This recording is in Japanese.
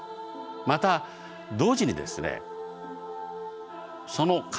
また同時にですね